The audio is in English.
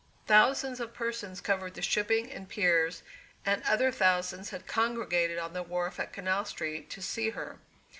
Thousands of persons covered the shipping and piers, and other thousands had congregated on the wharf at Canal Street, to see her.